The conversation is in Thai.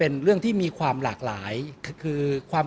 ก็ต้องทำอย่างที่บอกว่าช่องคุณวิชากำลังทำอยู่นั่นนะครับ